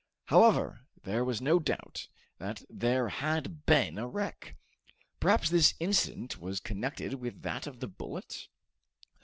However, there was no doubt that there had been a wreck. Perhaps this incident was connected with that of the bullet?